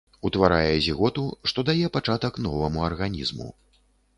Утварае зіготу, што дае пачатак новаму арганізму.